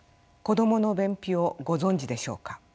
子どもの便秘をご存じでしょうか。